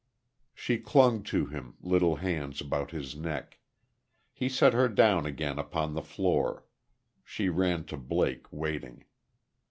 She clung to him, little hands about his neck.... He set her down again upon the floor. She ran to Blake, waiting.